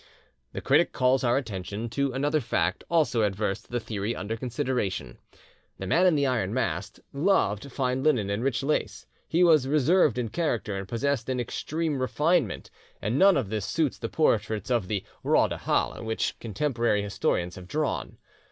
The critic calls our attention to another fact also adverse to the theory under consideration. The Man in the Iron Mask loved fine linen and rich lace, he was reserved in character and possessed of extreme refinement, and none of this suits the portraits of the 'roi des halles' which contemporary historians have drawn.